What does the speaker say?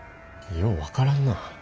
よう分からんな。